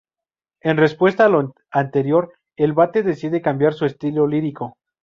En respuesta a lo anterior, el vate decide cambiar su estilo lírico.